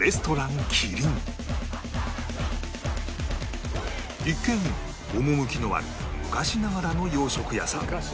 一見趣のある昔ながらの洋食屋さん